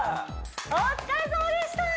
お疲れさまでした！